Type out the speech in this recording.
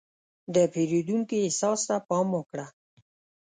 د پیرودونکي احساس ته پام وکړه.